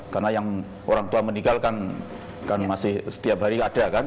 karena yang orang tua meninggalkan kan masih setiap hari ada kan